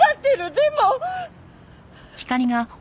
でも。